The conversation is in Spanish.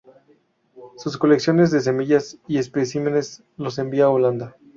Sus colecciones de semillas y especímenes los envía a Holanda.